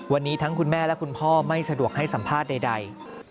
วันนี้ทั้งคุณแม่และคุณพ่อไม่สะดวกให้สัมภาษณ์ใด